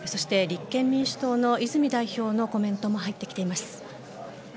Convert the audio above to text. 立憲民主党の泉代表のコメントも入ってきています。